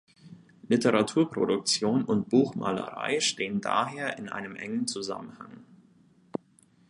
Literaturproduktion und Buchmalerei stehen daher in einem engen Zusammenhang.